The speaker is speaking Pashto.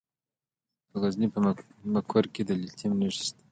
د غزني په مقر کې د لیتیم نښې شته.